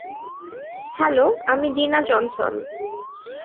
Hello, আমি Dina Johnson.